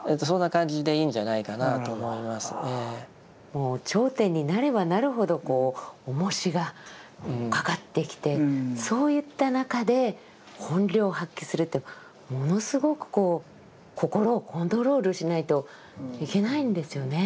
もう頂点になればなるほどこうおもしがかかってきてそういった中で本領を発揮するってものすごく心をコントロールしないといけないんですよね。